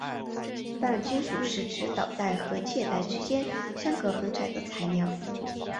半金属是指导带和价带之间相隔很窄的材料。